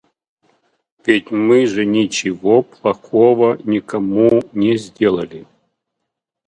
Ведь мы же ничего плохого никому не сделали.